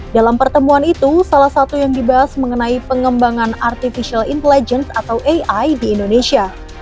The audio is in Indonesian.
dalam pertemuan itu salah satu yang dibahas mengenai pengembangan artificial intelligence atau ai di indonesia